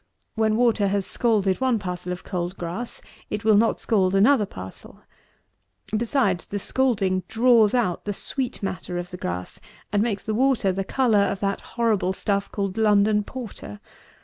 When water has scalded one parcel of cold grass, it will not scald another parcel. Besides, the scalding draws out the sweet matter of the grass, and makes the water the colour of that horrible stuff called London porter.